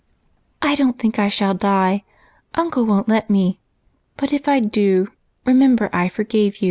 " I don't think I shall die ; uncle won't let me : but if I do, remember I forgave you."